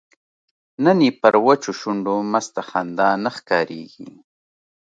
نن یې پر وچو شونډو مسته خندا نه ښکاریږي